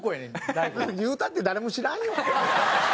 言うたって誰も知らんよ。